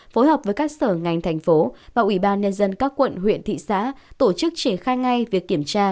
phối hợp với các sở ngành tp và ubnd các quận huyện thị xã tổ chức chỉ khai ngay việc kiểm tra